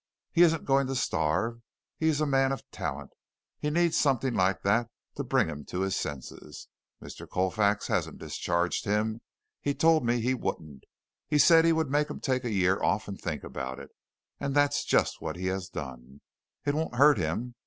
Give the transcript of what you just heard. He isn't going to starve. He is a man of talent. He needs something like that to bring him to his senses. Mr. Colfax hasn't discharged him. He told me he wouldn't. He said he would make him take a year off and think about it, and that's just what he has done. It won't hurt him.